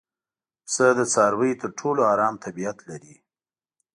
پسه د څارویو تر ټولو ارام طبیعت لري.